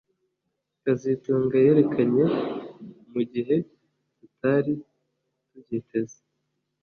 kazitunga yerekanye mugihe tutari tubyiteze